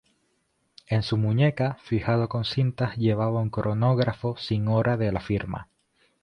En su muñeca, fijado con cintas, llevaba un cronógrafo sin hora de la firma.